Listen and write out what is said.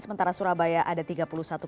sementara surabaya ada tiga perjamatan